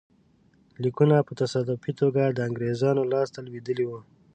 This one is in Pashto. لیکونه په تصادفي توګه د انګرېزانو لاسته لوېدلي وو.